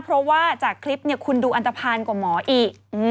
เพราะว่าจากคลิปคุณดูอันตภัณฑ์กว่าหมออีก